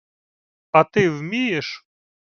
— А ти вмієш?